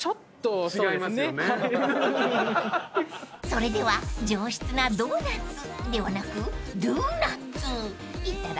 ［それでは上質なドーナツではなくドゥーナッツいただきます］